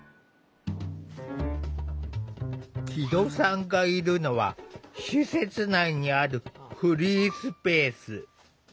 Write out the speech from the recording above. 木戸さんがいるのは施設内にあるフリースペース。